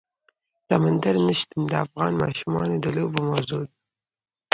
سمندر نه شتون د افغان ماشومانو د لوبو موضوع ده.